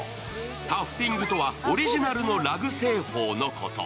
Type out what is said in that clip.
タフティングとはオリジナルのラグ製法のこと。